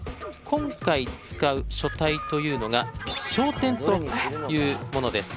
今回使う書体というのが小篆というものです。